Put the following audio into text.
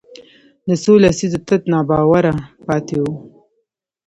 د څو لسیزو تت ناباوره پاتې وو